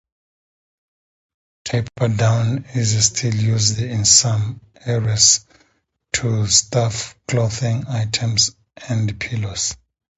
"Typha" down is still used in some areas to stuff clothing items and pillows.